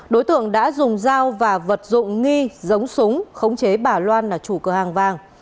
đối tượng đã dùng dao và vật dụng nghi giống súng khống chế bà loan là chủ cửa hàng vàng